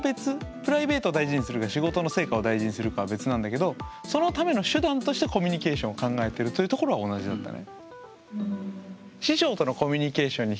プライベートを大事にするか仕事の成果を大事にするかは別なんだけどそのための手段としてコミュニケーションを考えてるというところは同じだったね。